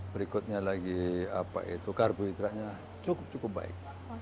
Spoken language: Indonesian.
berikutnya lagi karbohidratnya cukup cukup baik